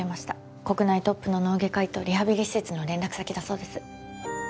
国内トップの脳外科医とリハビリ施設の連絡先だそうです。